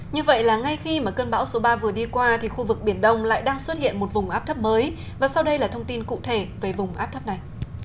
như vậy là ngay khi mà cơn bão số ba vừa đi qua thì khu vực biển đông lại đang xuất hiện một vùng áp thấp mới và sau đây là thông tin cụ thể về vùng áp thấp này